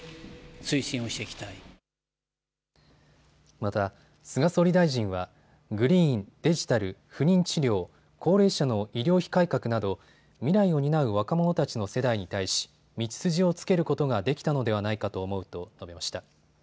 また、菅総理大臣はグリーン、デジタル、不妊治療、高齢者の医療費改革など未来を担う若者たちの世代に対し道筋をつけることができたのではないかと思うと述べました。